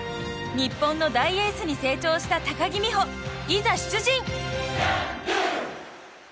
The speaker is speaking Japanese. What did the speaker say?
日本の大エースに成長した高木美帆、いざ出陣！